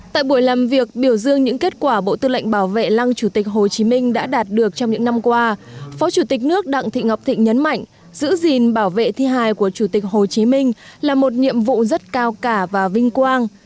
tại buổi làm việc biểu dương những kết quả bộ tư lệnh bảo vệ lăng chủ tịch hồ chí minh đã đạt được trong những năm qua phó chủ tịch nước đặng thị ngọc thịnh nhấn mạnh giữ gìn bảo vệ thi hài của chủ tịch hồ chí minh là một nhiệm vụ rất cao cả và vinh quang